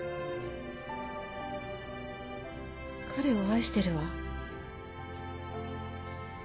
彼を愛してるわ。